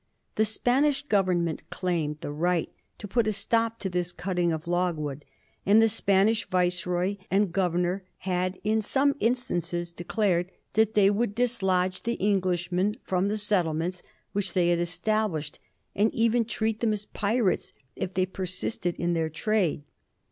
The Spanish Grovemment claimed the right to put a stop to this cutting of logwood, and the Spanish Viceroy and Governor had in some instances declared that they would dislodge the Englishmen from the settlements which they had established, and even treat them as pirates if they persisted in their trade.